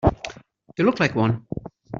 You look like one.